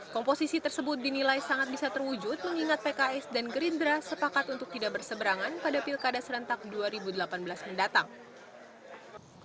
komposisi tersebut dinilai sangat bisa terwujud mengingat pks dan gerindra sepakat untuk tidak berseberangan pada pilkada serentak dua ribu delapan belas mendatang